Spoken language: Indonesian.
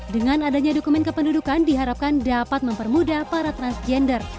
dengan adanya dokumen kependudukan diharapkan dapat mempermudah para transgender